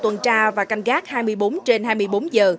tuần tra và canh gác hai mươi bốn trên hai mươi bốn giờ